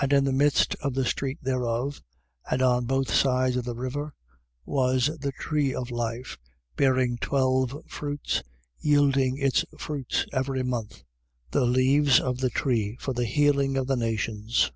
In the midst of the street thereof, and on both sides of the river, was the tree of life, bearing twelve fruits, yielding its fruits every month: the leaves of the tree for the healing of the nations.